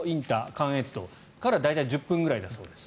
関越道から大体１０分くらいだそうです。